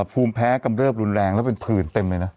ภูมิแพ้กำเริบรุนแรงแล้วเป็นผื่นเต็มเลยนะ